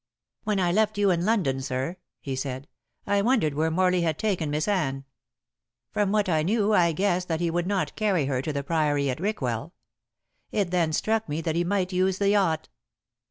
"When I left you in London, sir," he said, "I wondered where Morley had taken Miss Anne. From what I knew I guessed that he would not carry her to the Priory at Rickwell. It then struck me that he might use the yacht.